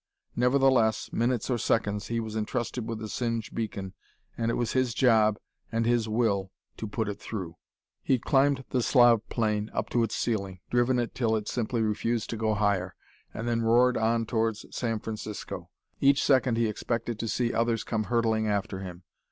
Nevertheless, minutes or seconds, he was entrusted with the Singe beacon, and it was his job and his will to put it through. He'd climbed the Slav plane up to its ceiling, driven it till it simply refused to go higher, and then roared on towards San Francisco. Each second he expected to see others come hurtling after him.